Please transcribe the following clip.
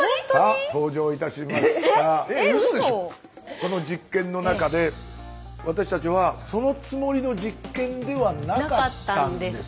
この実験の中で私たちはそのつもりの実験ではなかったんです。